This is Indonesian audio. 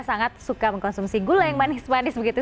sangat suka mengkonsumsi gula yang manis manis begitu